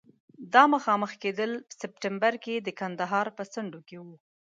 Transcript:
دا مخامخ کېدل د سپټمبر پر د کندهار په څنډو کې وو.